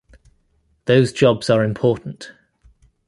Those jobs are important.